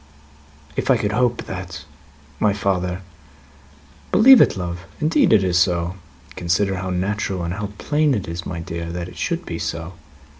"If I could hope that, my father! " "Believe it, love! Indeed it is so. Consider how natural and how plain it is, my dear, that it should be so.